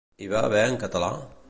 Hi va haver en català?